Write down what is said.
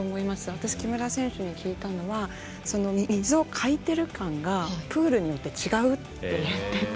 私、木村選手に聞いたのは、水をかいている感がプールによって違うって言っていて。